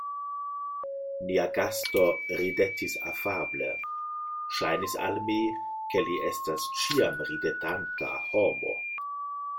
Nia gasto ridetis afable; ŝajnis al mi, ke li estas ĉiam ridetanta homo.